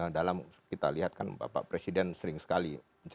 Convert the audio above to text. dalam kita lihat kan bapak presiden sering sekali